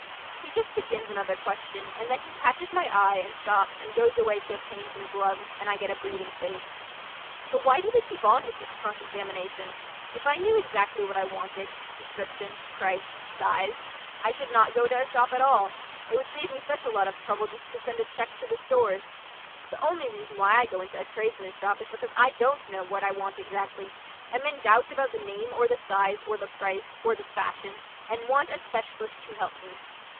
He just begins another question, and then he catches my eye and stops and goes away to obtain some gloves, and I get a breathing space. But why do they keep on with this cross examination? If I knew exactly what I wanted description, price, size I should not go to a shop at all, it would save me such a lot of trouble just to send a cheque to the Stores. The only reason why I go into a tradesman's shop is because I don't know what I want exactly, am in doubt about the name or the size, or the price, or the fashion, and want a specialist to help me.